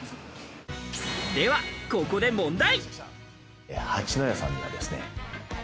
ではここで問題。